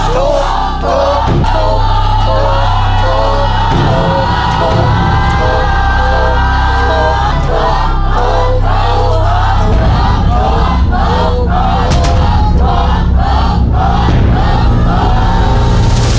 ถูก